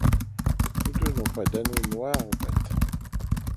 Tous deux n'ont pas d'anneaux noirs aux pattes.